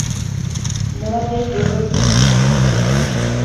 Nima deb bo‘kirdi?